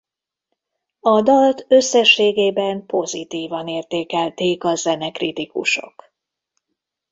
A dalt összességében pozitívan értékelték a zenekritikusok.